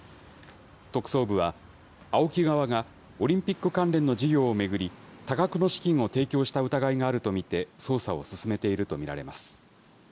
特捜部は、ＡＯＫＩ側がオリンピック関連の事業を巡り、多額の資金を提供した疑いがあると見て、捜査を進めていると見られます。